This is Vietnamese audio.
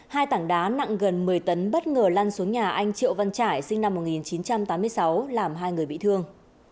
hai tảng đá nặng gần một mươi tấn bất ngờ lăn xuống nhà anh triệu văn trải sinh năm một nghìn chín trăm tám mươi sáu làm hai người bị thương